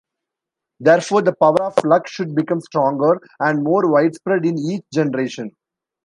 Therefore, the power of luck should become stronger and more widespread in each generation.